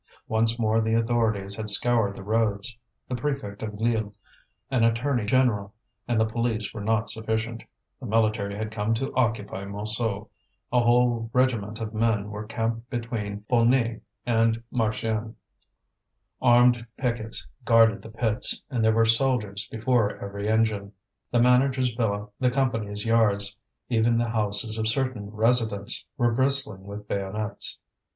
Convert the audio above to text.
Once more the authorities had scoured the roads; the prefect of Lille, an attorney, a general, and the police were not sufficient, the military had come to occupy Montsou; a whole regiment of men were camped between Beaugnies and Marchiennes. Armed pickets guarded the pits, and there were soldiers before every engine. The manager's villa, the Company's Yards, even the houses of certain residents, were bristling with bayonets.